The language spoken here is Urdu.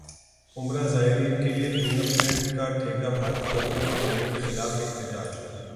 عمرہ زائرین کیلئے فنگر پرنٹ کا ٹھیکہ بھارتی کمپنی کو دینے کیخلاف احتجاج